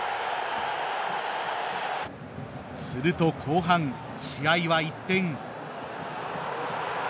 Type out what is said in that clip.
すると後半、試合は一転。